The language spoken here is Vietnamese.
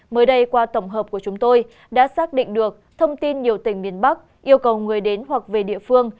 mới đây qua tổng hợp của chúng tôi đã xác định được thông tin nhiều tỉnh miền bắc yêu cầu người đến hoặc về địa phương